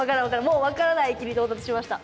もう分からない域に到達しました。